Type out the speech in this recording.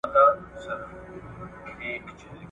تا ته می پخوا پېیلی هار دی بیا به نه وینو !.